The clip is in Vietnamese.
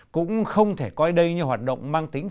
cũng không thể coi đây như hoạt động mang tiếng việt